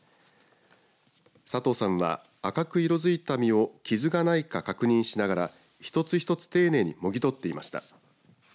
佐藤さんは、赤く色づいた実を傷がないか確認しながら一つ一つ丁寧にもぎ取っていました。